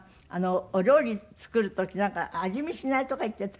お料理作る時なんか「味見しない」とか言ってたわね。